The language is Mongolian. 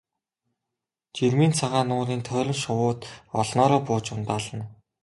Жирмийн цагаан нуурын тойрон шувууд олноороо бууж ундаална.